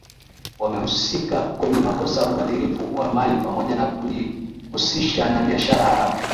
wamehusika kwenye makosa ubadhirifu wa mali pamoja na kujihusisha na biashara haramu